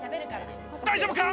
大丈夫か？